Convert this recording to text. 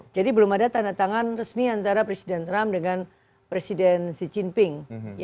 jadi belum ada tanda tangan resmi antara presiden trump dengan presiden xi jinping